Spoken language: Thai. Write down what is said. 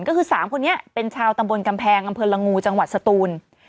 ก็คือ๓คนนี้เป็นชาวตำบลกำแพงอำเภอละงูจังหวัดสตูน